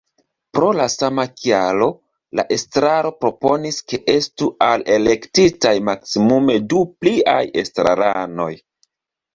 Pro la sama kialo la estraro proponis, ke estu alelektitaj maksimume du pliaj estraranoj.